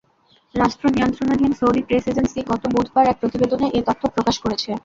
রাষ্ট্রনিয়ন্ত্রণাধীন Saudi press agency গত বুধবার এক প্রতিবেদনে এ তথ্য প্রকাশ করেছে।